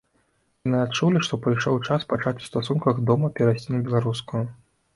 Яны адчулі, што прыйшоў час пачаць у стасунках дома перайсці на беларускую.